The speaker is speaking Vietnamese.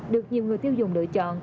được nhiều người tiêu dùng lựa chọn